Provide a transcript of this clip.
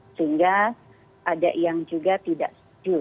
sehingga ada yang juga tidak setuju